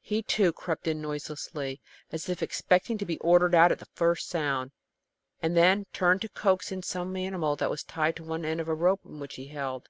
He, too, crept in noiselessly, as if expecting to be ordered out at the first sound, and then turned to coax in some animal that was tied to one end of the rope which he held.